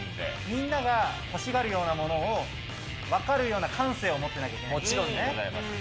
みんなが欲しがるようなものを、分かるような感性を持ってなきゃいけないんですね。